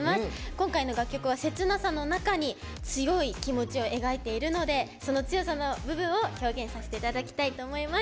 今回の楽曲は切なさの中に強い気持ちを描いているのでその強さの部分を表現させていただきたいと思います。